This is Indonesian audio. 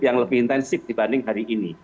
yang lebih intensif dibanding hari ini